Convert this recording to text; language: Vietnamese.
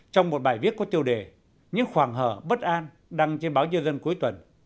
trong một bài viết có tiêu đề những khoảng hở bất an đăng trên báo nhân dân cuối tuần